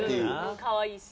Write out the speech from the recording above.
かわいいし。